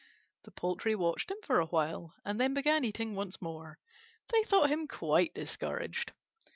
The poultry watched him for a while and then began eating once more. They thought him quite discouraged.